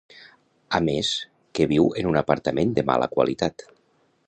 A més que viu en un apartament de mala qualitat.